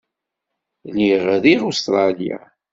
Lliɣ riɣ Ustṛalya.